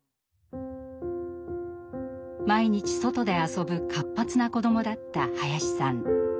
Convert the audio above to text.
毎日外で遊ぶ活発な子どもだった林さん。